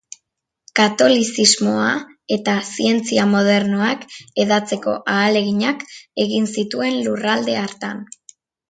Katolizismoa eta zientzia modernoak hedatzeko ahaleginak egin zituen lurralde hartan.